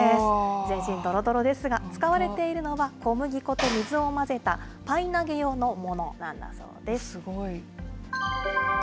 全身どろどろですが、使われているのは、小麦粉と水を混ぜたパイ投げ用のモノなんだそうです。